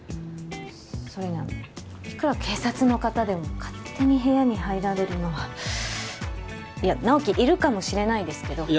それにいくら警察の方でも勝手に部屋に入られるのはいや直木いるかもしれないですけどいや